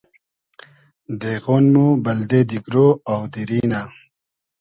دېغۉن مۉ بئلدې دیگرۉ آو دیری نۂ